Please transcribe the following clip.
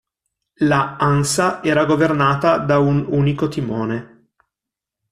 La "Hansa" era governata da un unico timone.